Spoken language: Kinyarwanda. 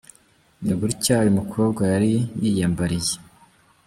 Ni gutya uyu mukobwa yari yiyambariye.